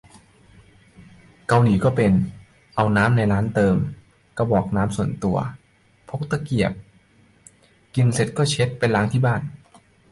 เกาหลีก็เป็น เอาน้ำในร้านเติมกระบอกส่วนตัวได้ พกตะเกียบ กินเสร็จก็เช็ดเก็บไปล้างที่บ้าน